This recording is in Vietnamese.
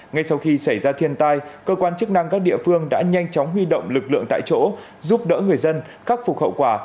ngay sau khi xảy ra thiên tai cơ quan chức năng các địa phương đã nhanh chóng huy động lực lượng tại chỗ giúp đỡ người dân khắc phục hậu quả